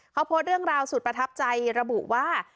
เขาโพสต์เรื่องราวสุดประทับใจระบุว่า